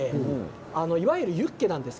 いわゆるユッケです。